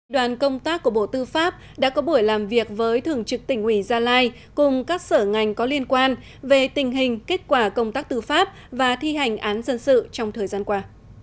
đoàn công tác của bộ tư pháp đã có buổi làm việc với thường trực tỉnh ủy gia lai cùng các sở ngành có liên quan về tình hình kết quả công tác tư pháp và thi hành án dân sự trong thời gian qua